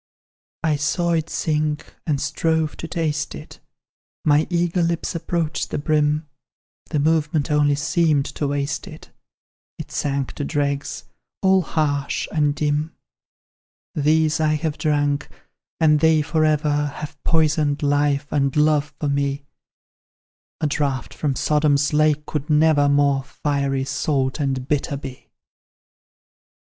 "I saw it sink, and strove to taste it, My eager lips approached the brim; The movement only seemed to waste it; It sank to dregs, all harsh and dim. "These I have drunk, and they for ever Have poisoned life and love for me; A draught from Sodom's lake could never More fiery, salt, and bitter, be.